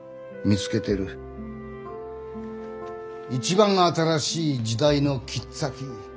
一番新しい時代の切っ先。